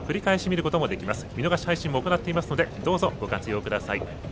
見逃し配信も行っていますのでどうぞ、ご活用ください。